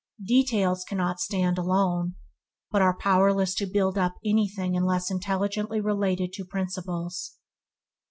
Details cannot stand alone, but are powerless to build up anything unless intelligently related to principles.